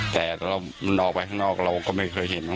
แต่ก็ไม่เคยเห็นต่าง